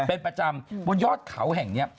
เป็นประจำบนยอดเขาแห่งนี้